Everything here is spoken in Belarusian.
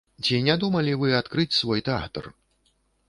Ці не думалі вы адкрыць свой тэатр?